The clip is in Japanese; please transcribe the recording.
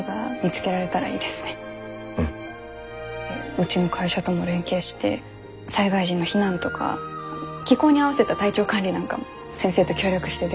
うちの会社とも連携して災害時の避難とか気候に合わせた体調管理なんかも先生と協力してできたら。